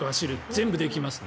全部できます。